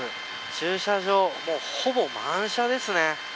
駐車場、ほぼ満車ですね。